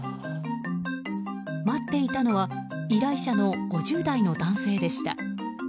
待っていたのは依頼者の５０代の男性でした。